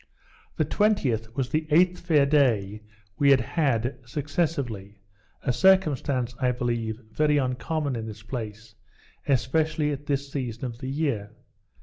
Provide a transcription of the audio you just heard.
The 20th was the eighth fair day we had had successively; a circumstance, I believe, very uncommon in this place, especially at this season of the year.